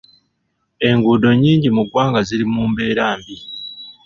Enguudo nnyingi mu ggwanga ziri mu mbeera mbi.